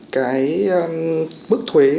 cái mức thuế